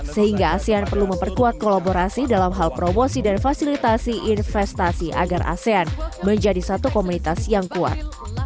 sehingga asean perlu memperkuat kolaborasi dalam hal promosi dan fasilitasi investasi agar asean menjadi satu komunitas yang kuat